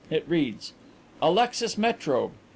It reads: "'Alexis Metrobe.